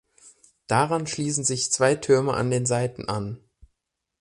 Daran schließen sich zwei Türme an den Seiten an.